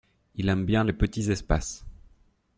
Il aime bien les petits espaces.